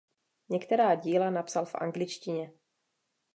Některá díla napsal v angličtině.